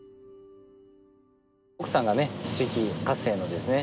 奥さんがね地域活性のですね